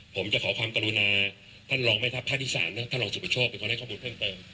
ผมจะขอความกรุณาท่านรองแม่ทัพภาคที่๓นะท่านรองสุประโชคเป็นคนให้ข้อมูลเพิ่มเติม